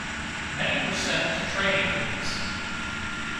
Many were sent to training units.